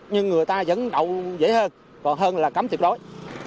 nhưng người ta vẫn đậu dễ hơn còn hơn là cấm tuyệt đối